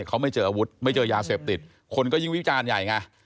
เขาไม่เจออาวุธไม่เจอยาเสพติดคนก็ยิ่งวิจารณ์ใหญ่ไง